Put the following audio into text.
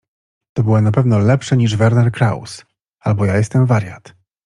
To było na pewno lepsze niż Werner Kraus, albo ja jestem wariat.